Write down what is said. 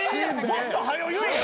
もっと早う言え。